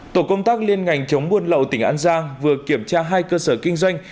tổ công tác liên ngành chống buôn lậu tỉnh an giang vừa kiểm tra hai cơ sở kinh doanh